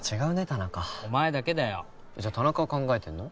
田中お前だけだよじゃあ田中は考えてるの？